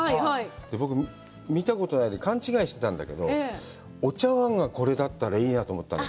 僕、見たことないので、勘違いしてたんだけど、お茶わんがこれだったらいいなと思ったのよ。